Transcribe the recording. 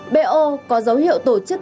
b o có dấu hiệu tổ chức kinh doanh